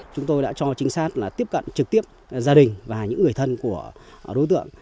chúng tôi đã cho trinh sát là tiếp cận trực tiếp gia đình và những người thân của đối tượng